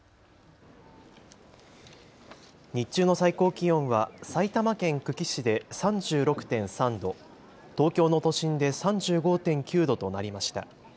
日中の最高気温は埼玉県久喜市で３６．３度、東京の都心で３５．９度となりました。